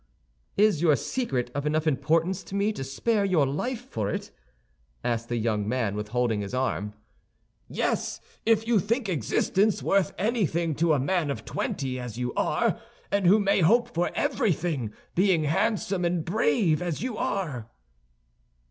"Is your secret of enough importance to me to spare your life for it?" asked the young man, withholding his arm. "Yes; if you think existence worth anything to a man of twenty, as you are, and who may hope for everything, being handsome and brave, as you are."